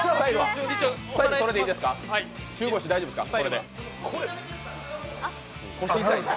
中腰、大丈夫ですか？